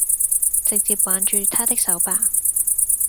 直接挽著他的手吧